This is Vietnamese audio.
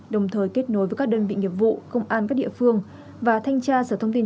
đồng thời kết nối với các đơn vị nghiệp vụ công an các địa phương và thanh tra sở thông tin